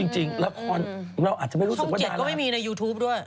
ช่องจิตก็ไม่มีในยูทูปด้วย